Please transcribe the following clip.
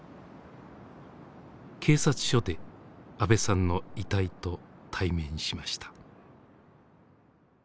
警察署で阿部さんの遺体と対面しました。